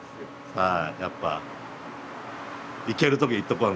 はい。